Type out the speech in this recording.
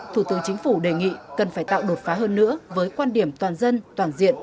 thủ tướng chính phủ đề nghị cần phải tạo đột phá hơn nữa với quan điểm toàn dân toàn diện